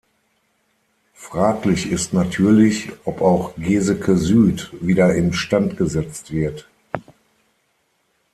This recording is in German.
Fraglich ist natürlich, ob auch Geseke Süd wieder in Stand gesetzt wird.